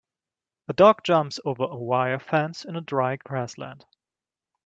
A dog jumps over a wire fence in a dry grassland.